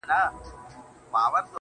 ستا د ښايستې خولې ښايستې خبري_